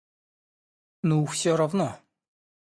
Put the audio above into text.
Ну, всё равно.